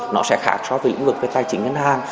nó sẽ khác so với lĩnh vực về tài chính ngân hàng